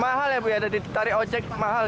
mahal ya bu ya dari tarik ojek mahal